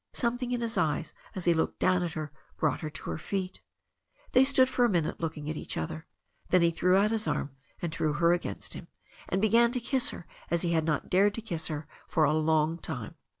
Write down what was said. Something in his eyes as he looked down at her brought her to her feet. They stood for a minute looking at each other. Then he threw out his arms and drew her against him, and began to kiss her as he had not dared to kiss her for a long time.